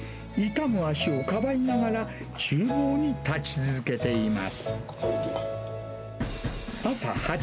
痛む足をかばいながら、ちゅう房に立ち続けています。